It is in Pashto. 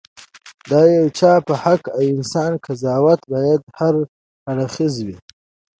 د یو چا په حق د انسان قضاوت باید هراړخيزه وي.